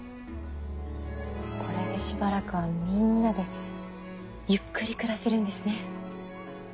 これでしばらくはみんなでゆっくり暮らせるんですね。